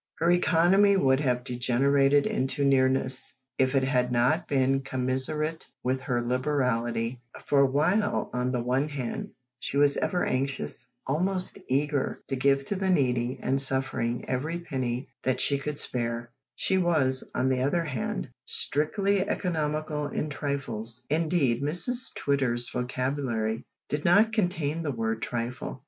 Her economy would have degenerated into nearness if it had not been commensurate with her liberality, for while, on the one hand, she was ever anxious, almost eager, to give to the needy and suffering every penny that she could spare, she was, on the other hand, strictly economical in trifles. Indeed Mrs Twitter's vocabulary did not contain the word trifle.